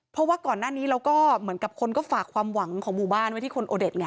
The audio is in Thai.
เพราะว่าก่อนหน้านี้เราก็เหมือนกับคนก็ฝากความหวังของหมู่บ้านไว้ที่คนโอเด็ดไง